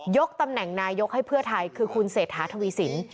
ตำแหน่งนายกให้เพื่อไทยคือคุณเศรษฐาทวีสิน